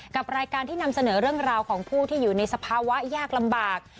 กับรายการที่นำเสนอเรื่องราวของผู้ที่อยู่ในสภาวะยากลำบาก